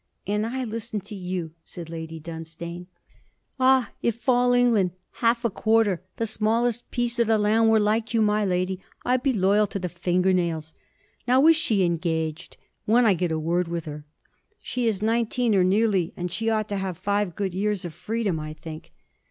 'And I listen to you,' said Lady Dunstane. 'Ah! if all England, half, a quarter, the smallest piece of the land were like you, my lady, I'd be loyal to the finger nails. Now, is she engaged? when I get a word with her?' 'She is nineteen, or nearly, and she ought to have five good years of freedom, I think.'